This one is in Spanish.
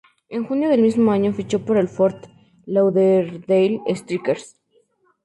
En junio del mismo año, fichó por el Fort Lauderdale Strikers.